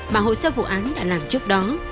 mà hội sơ vụ án đã làm trước đó